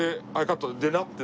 「でな」って